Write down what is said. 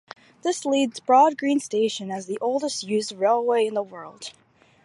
This leaves Broad Green station as the oldest used railway station in the world.